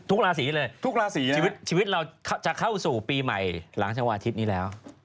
ทุกราศีไหมครับทุกราศีเลยชีวิตเราจะเข้าสู่ปีใหม่หลังช่วงวันอาทิตย์นี้แล้ว